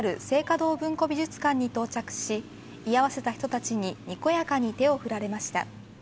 堂文庫美術館に到着し居合わせた人たちににこやかに手を振られました。